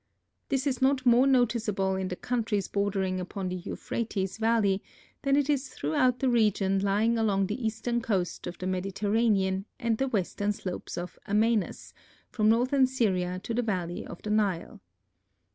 This is not more noticeable in the countries bordering upon the Euphrates valley than it is throughout the region lying along the eastern coast of the Mediterranean and the western slopes of Amanus, from northern Syria to the valley of the Nile.